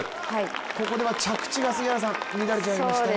ここでは着地が乱れちゃいましたね。